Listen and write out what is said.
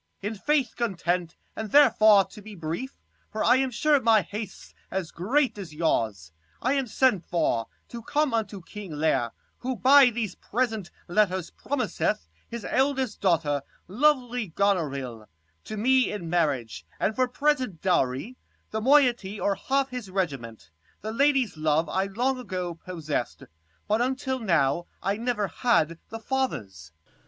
Corn. In faith, content, and therefore to be brief; For I am sure my haste's as great as yours : I am sent for, to come unto King Leir, Who by these present letters promiseth 3 5 His eldest daughter, lovely Gonorill, To me in marriage, and for present dowry, The moiety or half his regiment. The lady's love I long ago possess'd : But until now I never had the father's.